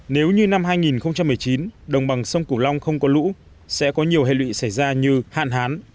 nếu như năm hai nghìn một mươi chín đồng bằng sông cửu long không có lũ sẽ có nhiều hệ lụy xảy ra như hạn hán